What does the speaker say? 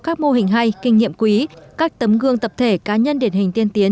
các mô hình hay kinh nghiệm quý các tấm gương tập thể cá nhân điển hình tiên tiến